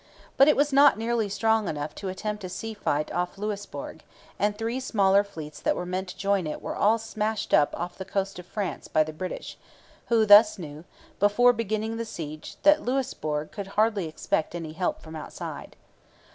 But it was not nearly strong enough to attempt a sea fight off Louisbourg, and three smaller fleets that were meant to join it were all smashed up off the coast of France by the British, who thus knew, before beginning the siege, that Louisbourg could hardly expect any help from outside.